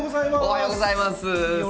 おはようございます。